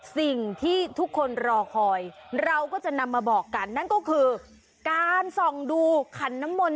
สิ่งที่ทุกคนรอคอยเราก็จะนำมาบอกกันนั่นก็คือการส่องดูขันน้ำมนต